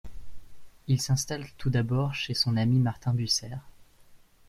Il s’installe tout d’abord chez son ami Martin Bucer.